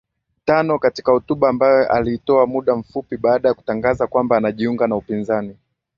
tano Katika hotuba ambayo aliitoa muda mfupi baada ya kutangaza kwamba anajiunga na upinzani